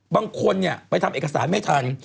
บางคนไปทำเอกสารไม่ทัน